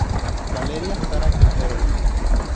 Valeria Sara Quinteros.